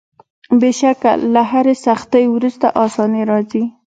بېشکه له هري سختۍ وروسته آساني راځي.